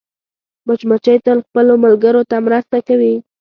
مچمچۍ تل خپلو ملګرو ته مرسته کوي